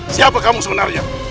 siapa kamu sebenarnya